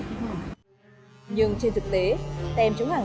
tem chống giả của bộ công an